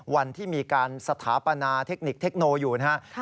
วันที่มีการสถาปนาเทคนิคเทคโนอยู่นะครับ